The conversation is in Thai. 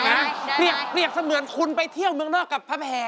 ได้เหลียกเสียเหมือนคนไปเที่ยวเมืองนอกกับพระแพง